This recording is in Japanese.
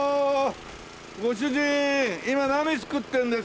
ご主人今何作ってるんですか？